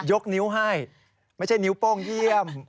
ยกนิ้วให้ไม่ใช่นิ้วโป้งเยี่ยม